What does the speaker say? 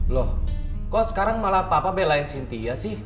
loh kok sekarang malah papa belain sintia sih